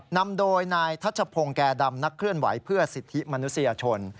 นำโดยนายทัชพงศ์แก่ดำนักเคลื่อนไหวเพื่อสิทธิมนุษยชน